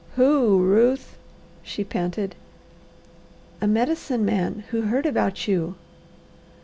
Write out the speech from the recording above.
"Who, Ruth?" she panted. "A Medicine Man who heard about you."